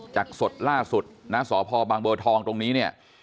จากสดล่าสุดสพบทตรงนี้